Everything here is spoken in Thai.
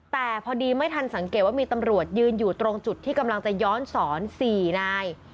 แต่พอดีไม่ทันสังเกตว่ามีตำรวจยืนอยู่ตรงจุดที่กำลังจะย้อนสอน๔นาย